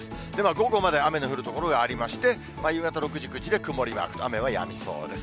午後まで雨が降る所がありまして、夕方６時、９時で曇りマーク、雨はやみそうです。